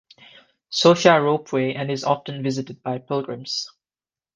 Shosha Ropeway, and is often visited by pilgrims.